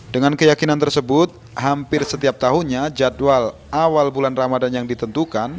dengan keyakinan tersebut hampir setiap tahunnya jadwal awal bulan ramadan yang ditentukan